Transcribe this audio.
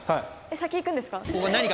先いくんですか？